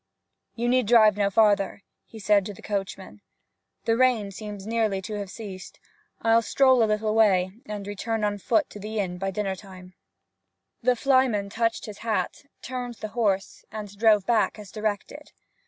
'You need drive no farther,' he said to the coachman. 'The rain seems to have nearly ceased. I'll stroll a little way, and return on foot to the inn by dinner time.' The flyman touched his hat, turned the horse, and drove back as directed.